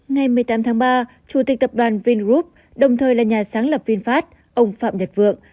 ngày một mươi tám tháng ba chủ tịch tập đoàn vingroup đồng thời là nhà sáng lập vinfast ông phạm nhật vượng